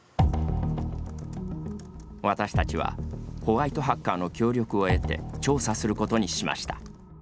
私たちはホワイトハッカーの協力を得て調査することにしました。